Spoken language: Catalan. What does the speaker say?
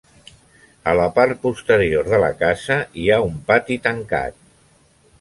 A la part posterior de la casa hi ha un pati tancat.